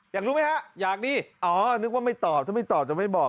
อยากรู้ไหมฮะอยากดีอ๋อนึกว่าไม่ตอบถ้าไม่ตอบจะไม่บอก